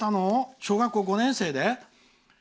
小学校５年生で。